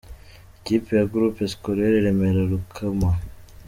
Ikipe ya Groupe Scolaire Remera Rukoma.